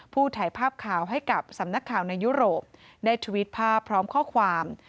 ถ่ายภาพข่าวให้กับสำนักข่าวในยุโรปได้ทวิตภาพพร้อมข้อความ